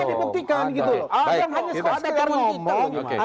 ada yang bayar tinggal buktikan